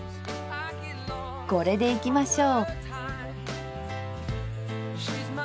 これでいきましょう。